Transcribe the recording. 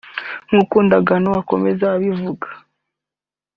nk’uko Ndagano akomeza abivuga